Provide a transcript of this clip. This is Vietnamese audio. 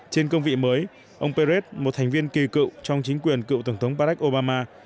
trên công vị mới ông perez một thành viên kỳ cựu trong chính quyền cựu tổng thống barack obama